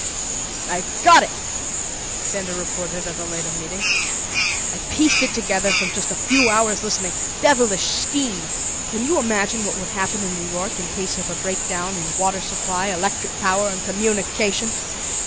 "I've got it!" Benda reported at a later meeting. "I pieced it together from a few hours listening. Devilish scheme! "Can you imagine what would happen in New York in case of a break down in water supply, electric power, and communication?